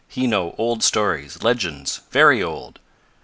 He know old stories legends very old."